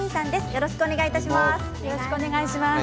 よろしくお願いします。